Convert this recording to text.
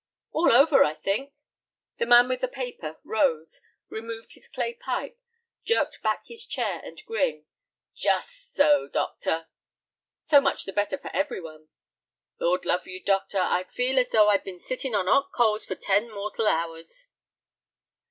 "All over, I think." The man with the paper rose, removed his clay pipe, jerked back his chair, and grinned. "Jus' so, doctor." "So much the better for every one." "Lord love you, doctor, I feel as though I'd bin sittin' on 'ot coals for ten mortal hours."